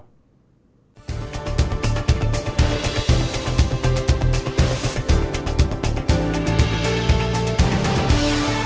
hẹn gặp lại